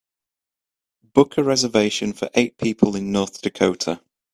Book a reservation for eight people in North Dakota